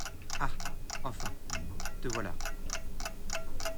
Ah ! enfin ! te voilà ?